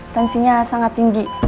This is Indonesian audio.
tensinya sangat tinggi